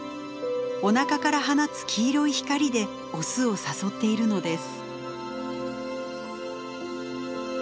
おなかから放つ黄色い光でオスを誘っているのです。